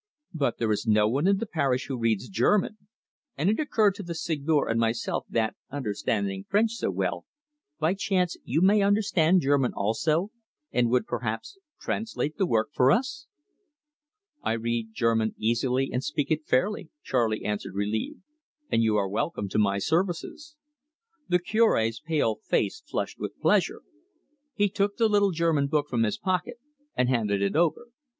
But there is no one in the parish who reads German, and it occurred to the Seigneur and myself that, understanding French so well, by chance you may understand German also, and would, perhaps, translate the work for us." "I read German easily and speak it fairly," Charley answered, relieved; "and you are welcome to my services." The Cure's pale face flushed with pleasure. He took the little German book from his pocket, and handed it over.